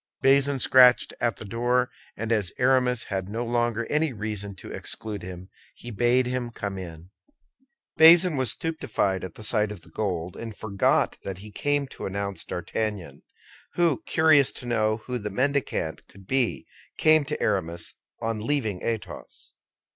Bazin scratched at the door, and as Aramis had no longer any reason to exclude him, he bade him come in. Bazin was stupefied at the sight of the gold, and forgot that he came to announce D'Artagnan, who, curious to know who the mendicant could be, came to Aramis on leaving Athos.